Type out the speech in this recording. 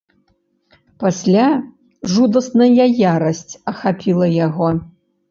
Пасля жудасная ярасць ахапіла яго.